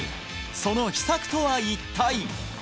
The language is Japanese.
その秘策とは一体！？